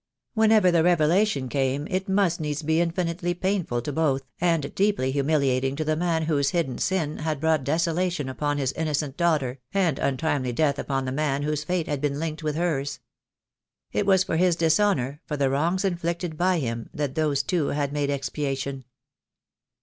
Whenever the revela tion came it must needs be infinitely painful to both, and deeply humiliating to the man whose hidden sin had brought desolation upon his innocent daughter, and un timely death upon the man whose fate had been linked with hers. It was for his dishonour, for the wrongs in flicted by him, that those two had made expiation.